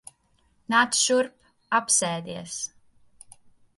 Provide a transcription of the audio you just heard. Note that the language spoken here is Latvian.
Nāc šurp. Apsēdies.